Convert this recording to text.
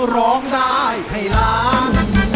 ร้องได้ให้ล้าน